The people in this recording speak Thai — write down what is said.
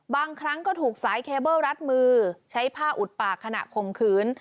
บางครั้งก็ถูกสายเคเบิ้ลรัดมือใช้ผ้าอุดปากขณะข่มขืน